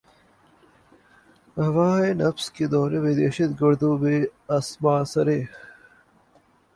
رواں ہے نبض دوراں گردشوں میں آسماں سارے